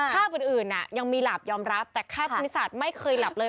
ภาพอื่นยังมีหลับยอมรับแต่แค่คณิตศาสตร์ไม่เคยหลับเลย